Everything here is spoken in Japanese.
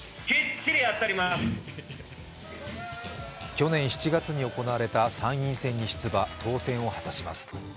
去年７月に行われた参院選に出馬、当選を果たします。